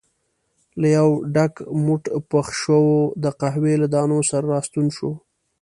له یو ډک موټ پخ شوو د قهوې له دانو سره راستون شو.